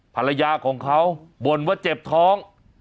ภรรยาของเขาบ่นว่าเจ็บท้อง